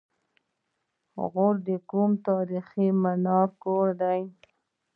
غور د کوم تاریخي منار کور دی؟